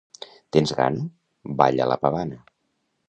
—Tens gana? —Balla la pavana!